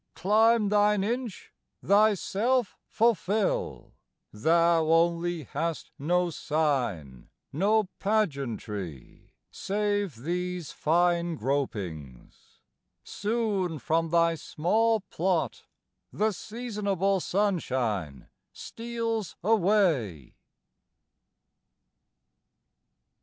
climb thine inch; thyself fulfil; Thou only hast no sign, no pageantry, Save these fine gropings: soon from thy small plot The seasonable sunshine steals away.